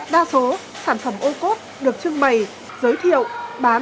đa số sản phẩm ooco nhiều chưng bày giới thiệu bán tại các cửa hàng